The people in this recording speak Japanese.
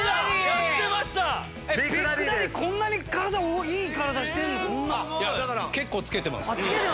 こんなにいい体してんの⁉結構付けてます。